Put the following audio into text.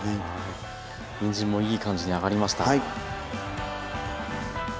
にんじんもいい感じに揚がりました。